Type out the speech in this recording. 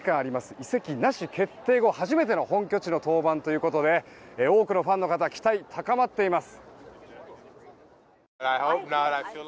移籍なし決定後初めての本拠地の登板ということで多くのファンの方の期待が高まっています。